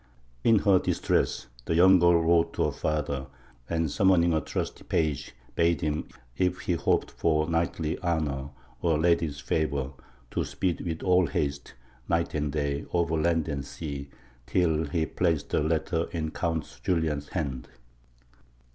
In her distress the young girl wrote to her father, and, summoning a trusty page, bade him, if he hoped for knightly honour or lady's favour, to speed with all haste, night and day, over land and sea, till he placed the letter in Count Julian's hand.